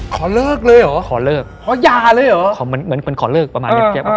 ขอเลิกเลยเหรอขอเลิกเหมือนมันขอเลิกประมาณนี้